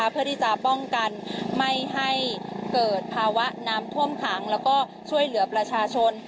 เพื่อที่จะป้องกันไม่ให้เกิดภาวะน้ำท่วมขังแล้วก็ช่วยเหลือประชาชน